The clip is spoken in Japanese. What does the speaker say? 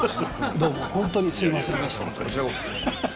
どうも本当にすいませんでした。